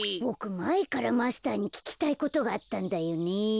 ボクまえからマスターにききたいことがあったんだよね。